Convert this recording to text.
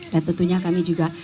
dan tentunya kami juga